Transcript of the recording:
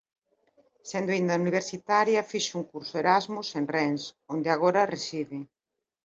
Sendo aínda universitaria fixo un curso Erasmus en Rennes, onde agora reside.